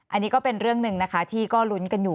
อันนี้ก็เป็นเรื่องหนึ่งนะคะที่ก็ลุ้นกันอยู่